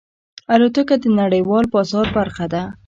الوتکه د نړیوال بازار برخه ده.